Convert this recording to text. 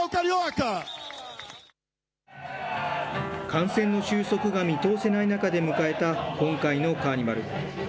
感染の収束が見通せない中で迎えた今回のカーニバル。